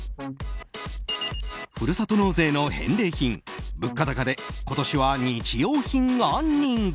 ふるさと納税の返礼品物価高で今年は日用品が人気。